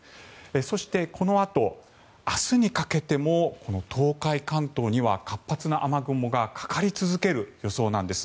そしてこのあと明日にかけても東海・関東には活発な雨雲がかかり続ける予想です。